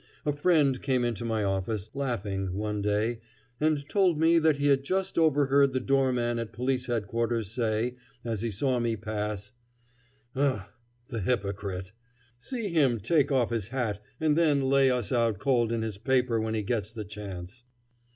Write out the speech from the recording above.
A friend came into my office, laughing, one day, and told me that he had just overheard the doorman at Police Headquarters say, as he saw me pass: "Ugh! the hypocrite! See him take off his hat and then lay us out cold in his paper when he gets the chance."